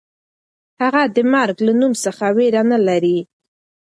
هغه د مرګ له نوم څخه وېره نه لري.